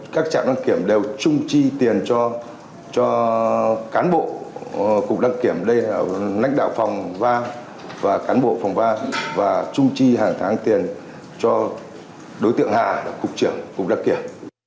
cán bộ cục đăng kiểm đây là nách đạo phòng va và cán bộ phòng va và trung trì hàng tháng tiền cho đối tượng hà cục trưởng cục đăng kiểm